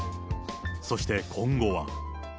そして今後は。